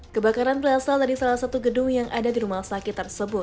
kebakaran berasal dari salah satu gedung yang ada di rumah sakit tersebut